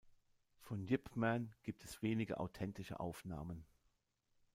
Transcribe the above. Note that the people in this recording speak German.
Von Yip Man gibt es wenige authentische Aufnahmen.